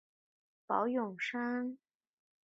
宝永山。